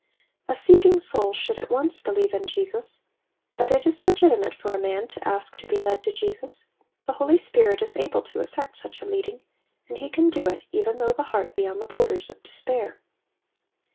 A seeking soul should at once believe iu Jesus, bftt it is legitimate for a man to ask to be led to Jesus ; the Holy Spirit is able to effect such a leading, and he can do it even though the heart be on the borders of despair.